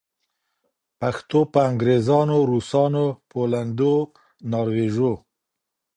پښتو به انګریزانو، روسانو پولېنډو ناروېژو